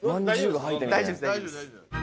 大丈夫です。